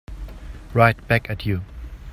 Right back at you.